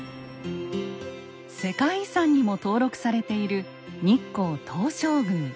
世界遺産にも登録されている日光東照宮。